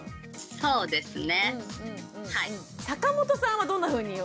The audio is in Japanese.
そうですよね。